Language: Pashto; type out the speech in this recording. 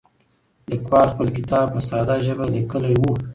لیکوال خپل کتاب په ساده ژبه لیکلی و.